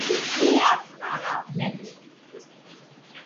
நீ யார்? நானா, பெண்!...